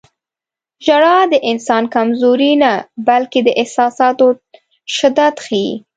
• ژړا د انسان کمزوري نه، بلکې د احساساتو شدت ښيي.